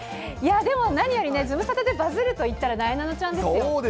でも何よりね、ズムサタでバズるといったら、なえなのちゃんですよ。